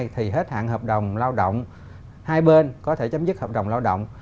thì hết hạn hợp đồng lao động hai bên có thể chấm dứt hợp đồng lao động